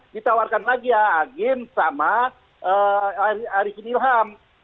ditawarkan lagi ya agin sama ariefin ilham